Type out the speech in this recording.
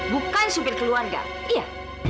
bukan supir keluarga iya